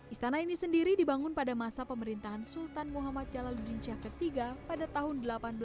istana ini sendiri dibangun pada masa pemerintahan sultan muhammad jalaluddin iii pada tahun seribu delapan ratus delapan puluh lima